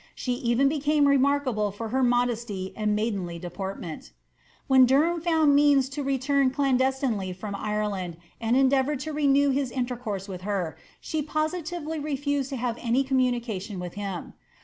She even became remarkable for her modest and maidenly deportment When Derham found means to return clandestinely from Ireland, and eadeavonred to renew his intercourse with her, she positively reliised to have any commimication with him.